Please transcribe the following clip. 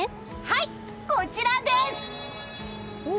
はい、こちらです！